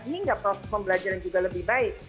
ini tidak perlu membelajar juga lebih baik